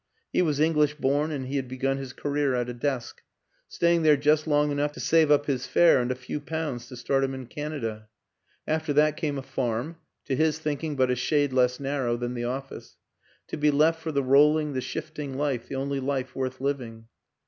He was English born and he had begun his career at a desk staying there just long enough to save up his fare and a few pounds to start him in Canada. After that came a farm to his thinking but a shade less narrow than the office; to be left for the rolling, the shifting life, the only life worth living.